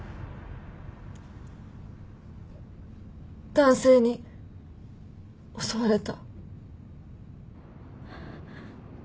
男性に襲われた。